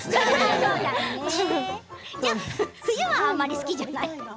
冬はあまり好きじゃないの？